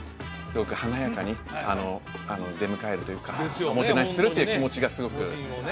ごく華やかに出迎えるというかおもてなしするという気持ちがすごく故人をね